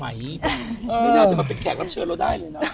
ไม่น่าจะมาเป็นแขกรับเชิญเราได้เลยนะ